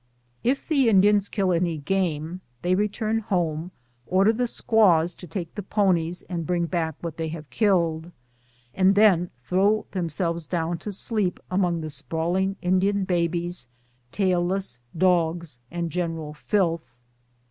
If the Indians kill any game, they return home, or der tlie squaws to take the ponies and bring back what they have killed, and then throw themselves down to sleep among the sprawling Indian babies, tailless dogs, and general filth.